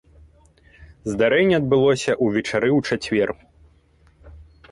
Здарэнне адбылося ўвечары ў чацвер.